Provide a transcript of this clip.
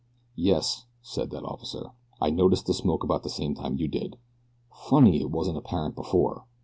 "Yes," said that officer, "I noticed the smoke about the same time you did funny it wasn't apparent before.